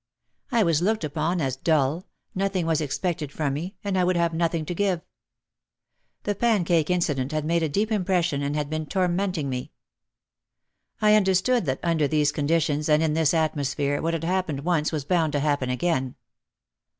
I was looked upon as dull, nothing was expected from me and I would have nothing to give. The pancake in cident had made a deep impression and had been tor menting me. I understood that under these conditions and in this atmosphere what had happened once was bound to happen again.